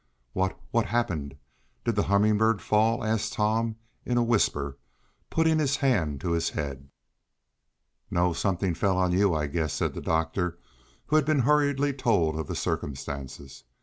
"What what happened? Did the Humming Bird fall?" asked Tom in a whisper, putting his hand to his head. "No, something fell on you, I guess," said the doctor, who had been hurriedly told of the circumstances.